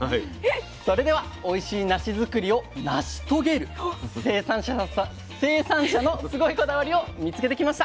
それではおいしいなし作りを「『成し』遂げる」生産者のすごいこだわりを見つけてきました。